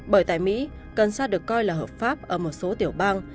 bởi tại mỹ cần sa được coi là hợp pháp ở một số tiểu bang